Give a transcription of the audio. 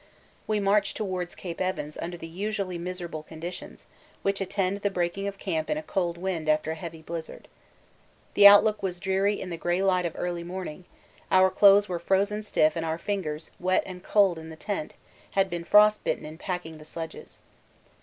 We marched towards Cape Evans under the usually miserable conditions which attend the breaking of camp in a cold wind after a heavy blizzard. The outlook was dreary in the grey light of early morning, our clothes were frozen stiff and our fingers, wet and cold in the tent, had been frostbitten in packing the sledges.